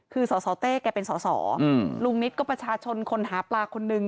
คือสสเต้แกเป็นสอสอลุงนิดก็ประชาชนคนหาปลาคนนึง